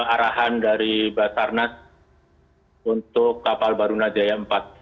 arahan dari basarnas untuk kapal baru najaya empat